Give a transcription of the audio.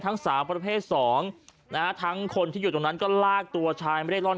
สาวประเภทสองนะฮะทั้งคนที่อยู่ตรงนั้นก็ลากตัวชายไม่ได้ร่อน